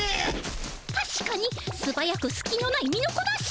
たしかにすばやくすきのない身のこなし。